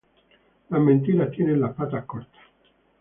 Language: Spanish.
Las mentiras tienen las patas cortas.